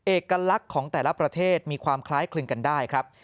เอกลักษณ์ของแต่ละประเทศมีความคล้ายคลึงกันได้ครับ